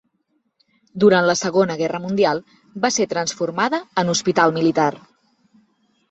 Durant la Segona Guerra Mundial va ser transformada en hospital militar.